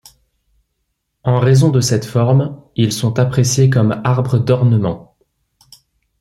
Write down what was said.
En raison de cette forme, ils sont appréciés comme arbre d'ornement.